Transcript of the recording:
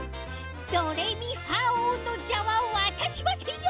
ドレミファおうのざはわたしませんよ！